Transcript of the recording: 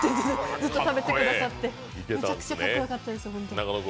ずっと食べてくださって、めちゃくちゃかっこよかったです、ホントに。